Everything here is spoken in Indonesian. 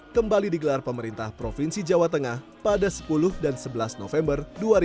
kembali digelar pemerintah provinsi jawa tengah pada sepuluh dan sebelas november dua ribu dua puluh